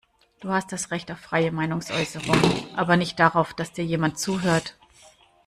Du hast das Recht auf freie Meinungsäußerung, aber nicht darauf, dass dir jemand zuhört.